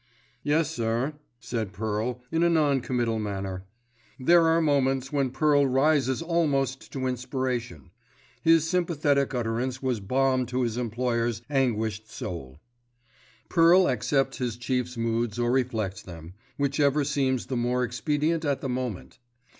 "Yes sir," said Pearl, in a non committal manner. There are moments when Pearl rises almost to inspiration. His sympathetic utterance was balm to his employer's anguished soul. Pearl accepts his chief's moods or reflects them, whichever seems the more expedient at the moment.